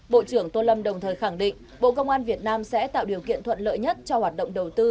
bộ trưởng tô lâm đồng thời khẳng định bộ công an việt nam sẽ tạo điều kiện thuận lợi nhất cho hoạt động đầu tư